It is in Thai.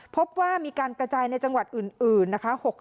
พบว่ามีการกระจายในจังหวัดอื่นนะคะ